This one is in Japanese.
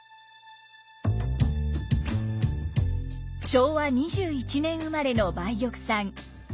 昭和２１年生まれの梅玉さん。